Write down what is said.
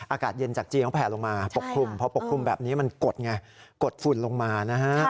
อากาศเย็นจากจีนเขาแผลลงมาปกคลุมพอปกคลุมแบบนี้มันกดไงกดฝุ่นลงมานะฮะ